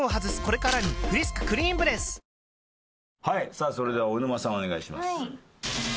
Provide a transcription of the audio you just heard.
さあそれでは大沼さんお願いします。